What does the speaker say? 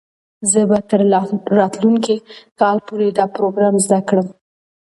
زه به تر راتلونکي کال پورې دا پروګرام زده کړم.